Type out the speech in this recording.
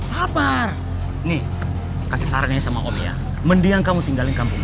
sabar ny lasers tor paj pesarannya sama on ya mendiamkan protingkan tingganging